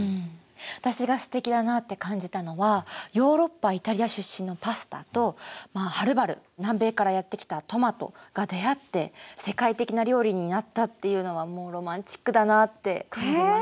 私がすてきだなって感じたのはヨーロッパ・イタリア出身のパスタとはるばる南米からやって来たトマトが出会って世界的な料理になったっていうのはもうロマンチックだなって感じました。